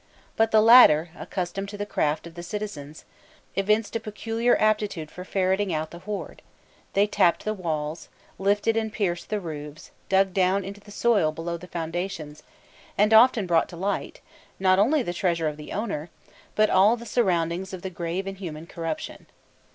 But the latter, accustomed to the craft of the citizens, evinced a peculiar aptitude for ferreting out the hoard: they tapped the walls, lifted and pierced the roofs, dug down into the soil below the foundations, and often brought to light, not only the treasure of the owner, but all the surroundings of the grave and human corruption.